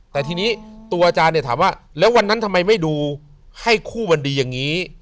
แต่ทีนี้ตัวอาจารย์เนี่ยถามว่าแล้ววันนั้นทำไมไม่ดูให้คู่วันดีอย่างนี้